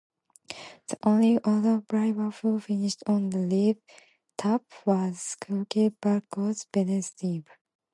The only other driver who finished on the lead lap was rookie Jacques Villeneuve.